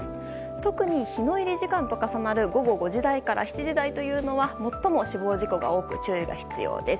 特に日の入り時間と重なる午後５時台から７時台は最も死亡事故が多く注意が必要です。